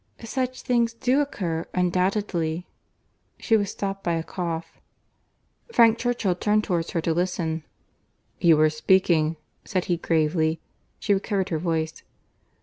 "Such things do occur, undoubtedly."—She was stopped by a cough. Frank Churchill turned towards her to listen. "You were speaking," said he, gravely. She recovered her voice.